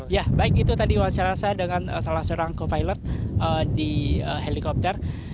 ya baik itu tadi wawancara saya dengan salah seorang co pilot di helikopter